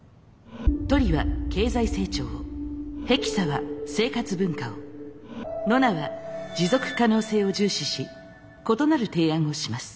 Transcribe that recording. トリは経済成長をヘキサは生活文化をノナは持続可能性を重視し異なる提案をします。